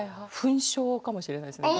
「憤笑」かもしれないですね